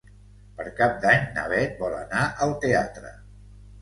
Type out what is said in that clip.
Per Cap d'Any na Bet vol anar al teatre.